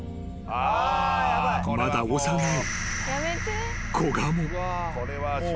［まだ幼い］